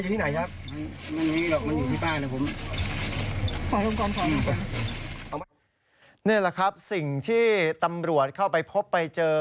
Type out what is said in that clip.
นี่แหละครับสิ่งที่ตำรวจเข้าไปพบไปเจอ